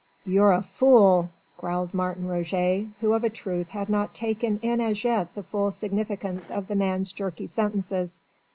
"You're a fool," growled Martin Roget, who of a truth had not taken in as yet the full significance of the man's jerky sentences.